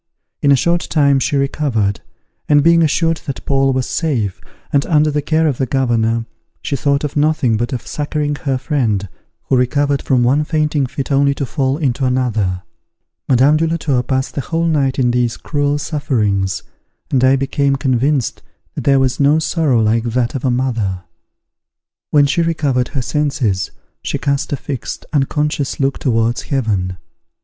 In a short time she recovered, and being assured that Paul was safe, and under the care of the governor, she thought of nothing but of succouring her friend, who recovered from one fainting fit only to fall into another. Madame de la Tour passed the whole night in these cruel sufferings, and I became convinced that there was no sorrow like that of a mother. When she recovered her senses, she cast a fixed, unconscious look towards heaven.